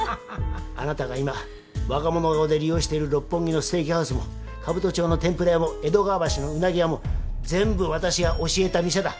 あなたが今わが物顔で利用している六本木のステーキハウスも兜町の天ぷら屋も江戸川橋のうなぎ屋も全部私が教えた店だ。